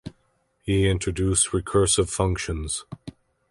He introduced recursive functions.